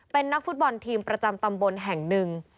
เป็นนักฟุตบอลทีมประจำตำบลแห่งหนึ่ง